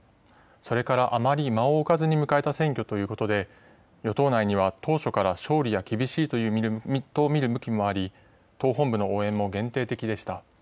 それからあまり間を置かずに選挙ということで、与党内には当初から勝利は厳しいと見る向きもあり、党本部の応援も限定的でした。